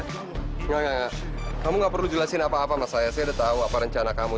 engga engga engga kamu gak perlu jelasin apa apa sama saya saya udah tahu apa rencana kamu